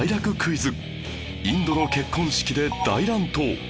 インドの結婚式で大乱闘！